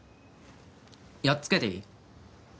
やっつけていい？